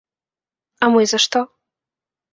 А мы за што?